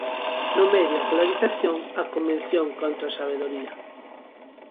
No medio, a polarización: a convención contra a sabedoría.